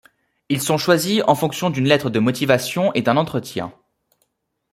Ils sont choisis en fonction d'une lettre de motivation et d'un entretien.